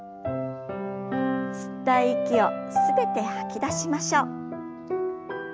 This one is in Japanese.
吸った息を全て吐き出しましょう。